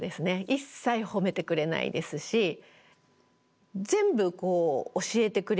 一切褒めてくれないですし全部こう教えてくれるんじゃないんですよね。